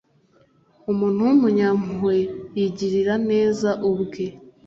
Umuntu w’umunyampuhwe yigirira neza ubwe